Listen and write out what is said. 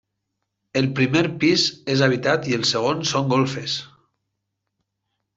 El primer pis és habitat i el segon són golfes.